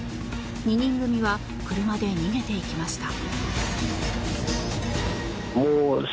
２人組は車で逃げていきました。